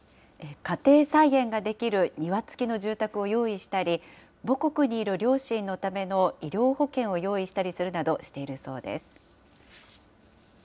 家庭菜園ができる庭付きの住宅を用意したり、母国にいる両親のための医療保険を用意したりするなどしているそうです。